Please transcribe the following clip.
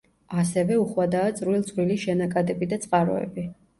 ასევე, უხვადაა წვრილ-წვრილი შენაკადები და წყაროები.